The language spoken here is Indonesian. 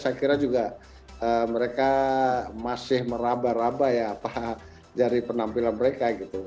saya kira juga mereka masih meraba raba ya apa dari penampilan mereka gitu